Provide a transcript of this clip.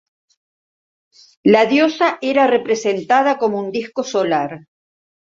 La diosa era representada como un disco solar.